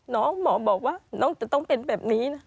หมอบอกว่าน้องจะต้องเป็นแบบนี้นะ